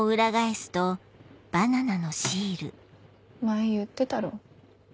前言ってたろ。